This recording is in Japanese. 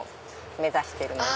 目指してるので。